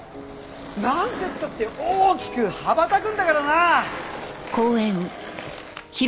なんてったって大きく羽ばたくんだからな！